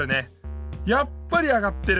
やっぱり上がってる。